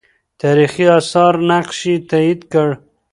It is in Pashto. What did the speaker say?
تاریخي آثار نقش یې تایید کړ.